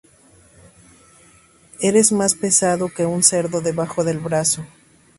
Eres más pesado que un cerdo debajo del brazo